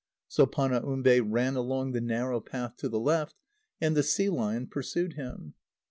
So Panaumbe ran along the narrow path to the left, and the sea lion pursued him.